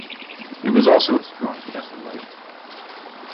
He was also a strong chess player.